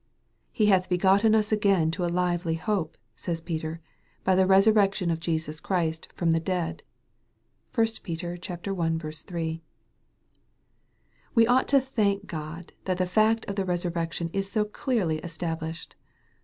He hath hegotten us again to a lively hope," says Peter, " by the resurrection of Jesus Christ from the dead." (1 Peter i. 3.) We ought to thank God that the fact of the resur rection is so clearly established.